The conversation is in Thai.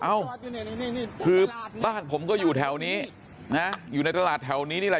เอ้าคือบ้านผมก็อยู่แถวนี้นะอยู่ในตลาดแถวนี้นี่แหละ